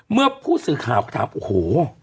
เมื่อผู้สื่อข่าวก็ถามโอ้โห